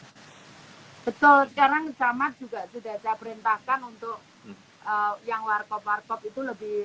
sekarang zaman juga sudah saya perintahkan untuk yang warcop warcop itu lebih